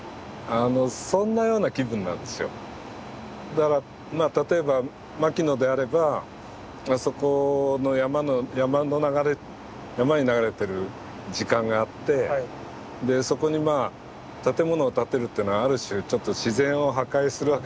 だから例えば牧野であればあそこの山の流れ山に流れてる時間があってそこにまあ建物を建てるってのはある種自然を破壊するわけですよね。